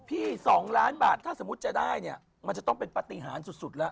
๒ล้านบาทถ้าสมมุติจะได้เนี่ยมันจะต้องเป็นปฏิหารสุดแล้ว